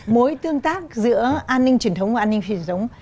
mối tương tác giữa an ninh truyền thống và an ninh phi truyền thống